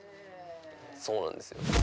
そうなんですよ。